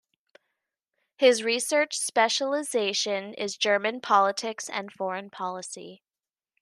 His research specialization is German politics and foreign policy.